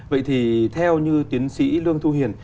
vậy thì theo như tiến sĩ lương thu hiền